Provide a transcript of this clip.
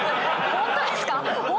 ホントですか？